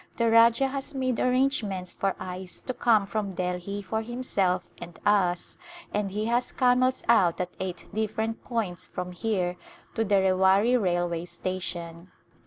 The Rajah has made arrangements for ice to come from Delhi for himself and us and he has camels out at eight different points from here to the Rewari railway station.